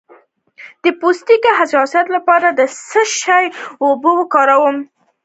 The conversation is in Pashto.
د پوستکي د حساسیت لپاره د څه شي اوبه وکاروم؟